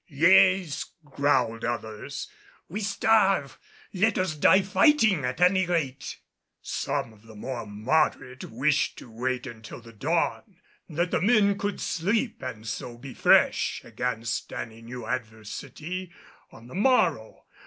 "Yes," growled others, "we starve. Let us die fighting at any rate." Some of the more moderate wished to wait until the dawn, that the men could sleep and so be fresh against any new adversity on the morrow.